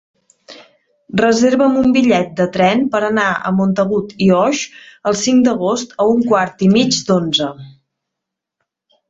Reserva'm un bitllet de tren per anar a Montagut i Oix el cinc d'agost a un quart i mig d'onze.